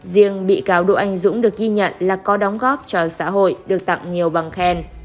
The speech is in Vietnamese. riêng bị cáo độ anh dũng được ghi nhận là có đóng góp cho xã hội được tặng nhiều bằng khen